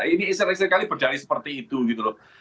ini isir isir kali berdari seperti itu gitu loh